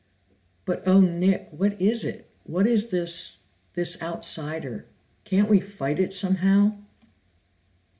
"But Oh, Nick, what is it? What is this this outsider? Can't we fight it somehow?"